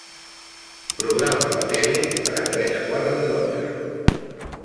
Programa la tele per a tres quarts de dotze.